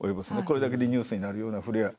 これだけでニュースになるようなフレア。